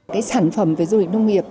cái sản phẩm về du lịch nông nghiệp